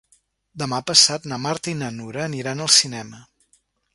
Demà passat na Marta i na Nura aniran al cinema.